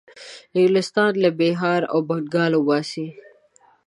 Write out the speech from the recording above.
انګلیسیان له بیهار او بنګال وباسي.